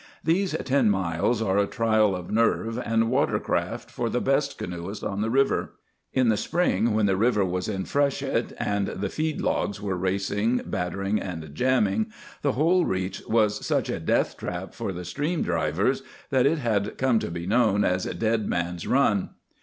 These ten miles are a trial of nerve and water craft for the best canoeists on the river. In the spring, when the river was in freshet and the freed logs were racing, battering, and jamming, the whole reach was such a death trap for the stream drivers that it had come to be known as Dead Man's Run.